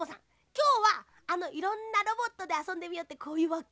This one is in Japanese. きょうはあのいろんなロボットであそんでみようってこういうわけ？